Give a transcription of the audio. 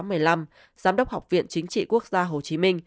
giám đốc học viện chính trị quốc gia tp hcm